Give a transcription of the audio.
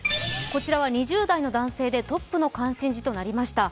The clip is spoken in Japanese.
こちらは２０代の男性でトップの関心事となりました。